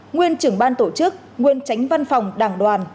nguyên trưởng ban tổ chức nguyên tránh văn phòng đảng đoàn